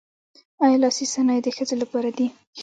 آیا لاسي صنایع د ښځو لپاره دي؟